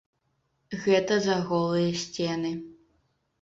Гэта за голыя сцены.